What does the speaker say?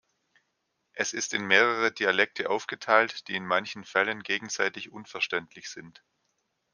Es ist in mehrere Dialekte aufgeteilt, die in manchen Fällen gegenseitig unverständlich sind.